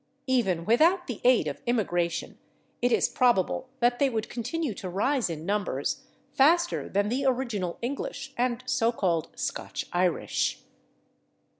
Even without the aid of immigration it is probable that they would continue to rise in numbers faster than the original English and so called Scotch Irish.